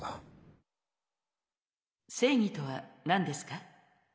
正義とは何ですか？